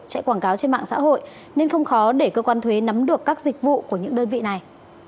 chạy quảng cáo trên mạng xã hội nên không khó để cơ quan thuế nắm được các dịch vụ của những đơn vị này